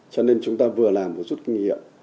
cho nên chúng ta vừa làm một chút nghiệp